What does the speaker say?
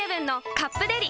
「カップデリ」